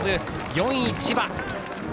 ４位、千葉。